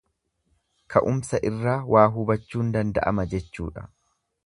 Ka'umsa irraa waa hubachuun danda'ama jechuudha.